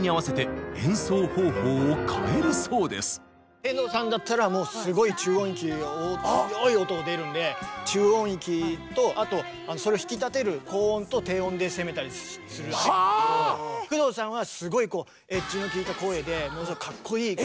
天童さんだったらもうすごい中音域強い音が出るんで中音域とあとそれを引き立てる高音と低音で攻めたりするし工藤さんはすごいエッジの利いた声でものすごいかっこいい声を。